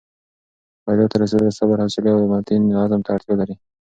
بریا ته رسېدل صبر، حوصلې او متین عزم ته اړتیا لري.